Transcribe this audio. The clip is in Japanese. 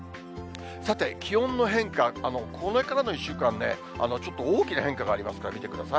さて、気温の変化、これからの１週間、ちょっと大きな変化がありますから、見てください。